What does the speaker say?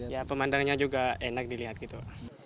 ya pemandangannya juga enak dilihat gitu